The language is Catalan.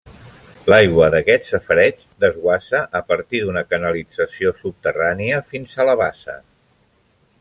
L'aigua d'aquest safareig desguassa a partir d'una canalització subterrània fins a la bassa.